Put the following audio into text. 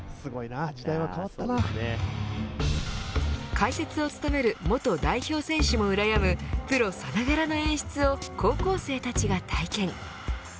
解説を務める元代表選手もうらやむプロさながらの演出を高校生たちが体験。